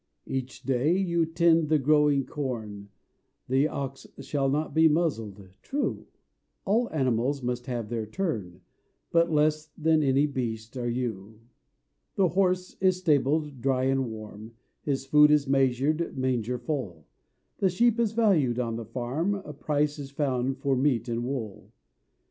Each day you tend the growing corn, 'The ox shall not be muzzled' True! All animals must have their turn; But less than any beast are you! The horse is stabled, dry and warm, His food is measured, manger full; The sheep is valued on the farm, A price is found for meat and wool.